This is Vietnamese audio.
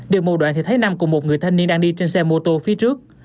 điều mù đoạn thì thấy nam cùng một người thanh niên đang đi trên xe mô tô phía trước